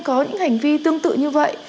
có những hành vi tương tự như vậy